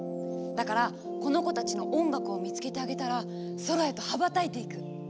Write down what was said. だからこの子たちの「音楽」を見つけてあげたら空へと羽ばたいていくの。